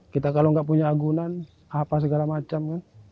kita kalau nggak punya agunan apa segala macam kan